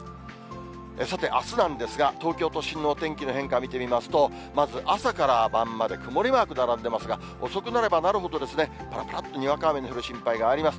さて、あすなんですが、東京都心のお天気の変化、見てみますと、まず朝から晩まで曇りマーク並んでますが、遅くなればなるほど、ぱらぱらっとにわか雨の降る心配があります。